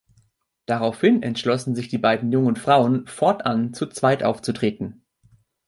Daraufhin entschlossen sich die beiden jungen Frauen, fortan zu zweit aufzutreten.